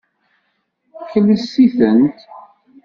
Kles-itent.